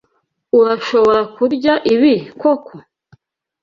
Urashobora kurya ibi koko?